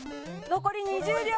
残り２０秒。